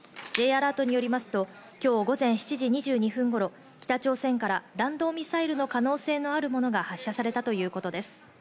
Ｊアラートによりますと、午前７時２２分頃、北朝鮮から弾道ミサイルの可能性のあるものが発射されたということです。